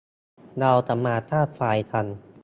เราจะมาสร้างไฟล์กัน